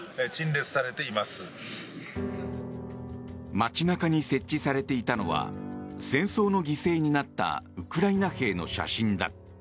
街中に設置されていたのは戦争の犠牲になったウクライナ兵の写真だ。